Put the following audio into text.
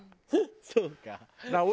そうか。